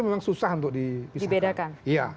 memang susah untuk dipisahkan